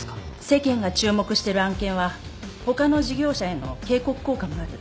世間が注目してる案件は他の事業者への警告効果もある。